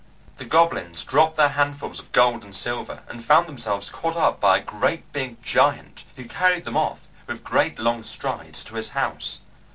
The goblins dropped their handfuls of gold and silver, and found themselves caught up by a great big giant who carried them off, with great long strides, to his house.